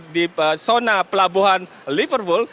di zona pelabuhan liverpool